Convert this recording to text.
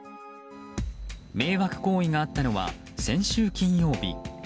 迷惑行為があったのは先週金曜日。